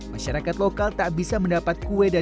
masyarakat lokal tak bisa mendapat kue dari geliat ekor